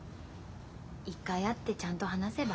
一回会ってちゃんと話せば？